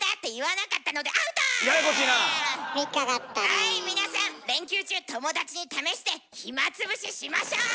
はい皆さん連休中友達に試して暇つぶししましょう。